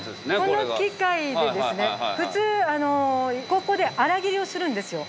この機械で普通ここで荒切りをするんですよ。